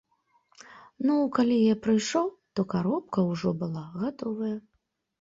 Ну, калі я прыйшоў, то каробка ўжо была гатовая.